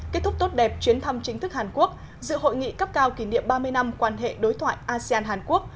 kết thúc tốt đẹp chuyến thăm chính thức hàn quốc dự hội nghị cấp cao kỷ niệm ba mươi năm quan hệ đối thoại asean hàn quốc